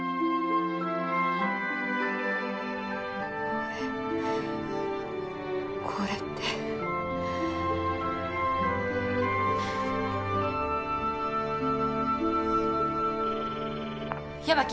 これこれって八巻